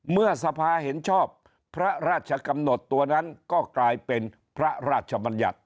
เมื่อสภาเห็นชอบพระราชกำหนดตัวนั้นก็กลายเป็นพระราชบัญญัติ